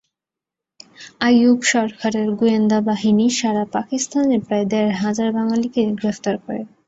আইয়ুব সরকারের গোয়েন্দাবাহিনী সারা পাকিস্তানে প্রায় দেড় হাজার বাঙালিকে গ্রেফতার করে।